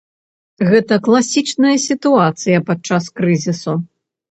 Гэта класічная сітуацыя падчас крызісу.